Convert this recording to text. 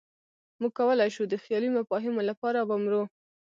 موږ کولی شو د خیالي مفاهیمو لپاره ومرو.